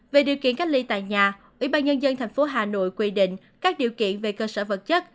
về điều kiện cách ly tại nhà ủy ban nhân dân tp hà nội quy định các điều kiện về cơ sở vật chất